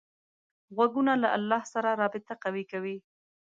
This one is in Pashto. غوږونه له الله سره رابطه قوي کوي